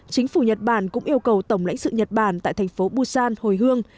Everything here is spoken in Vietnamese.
chính phủ nhật bản cũng yêu cầu tổng lãnh sự nhật bản tại thành phố busan hồi hương